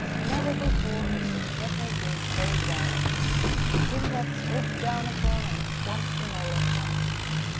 Never before had his deafness been so bad. It seemed to have swooped down upon and swamped him all at once.